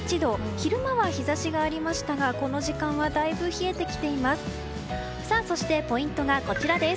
昼間は日差しがありましたがこの時間はだいぶ冷えてきています。